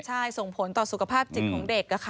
ใช่ส่งผลต่อสุขภาพจิตของเด็ก